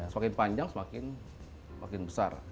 semakin panjang semakin besar